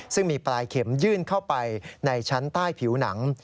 ซึ่งมีปลายเข็มยื่นเข้าไปในชั้นใต้ผิวหนัง